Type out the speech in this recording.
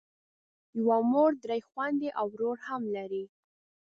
یوه مور درې خویندې او ورور هم لرم.